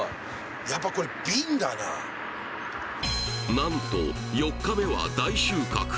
なんと、４日目は大収穫。